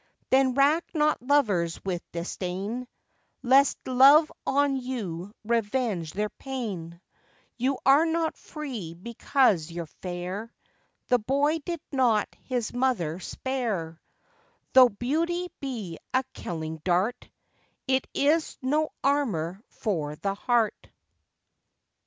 Then rack not lovers with disdain, Lest love on you revenge their pain: You are not free because you're fair, The Boy did not his mother spare: Though beauty be a killing dart, It is no armour for the heart.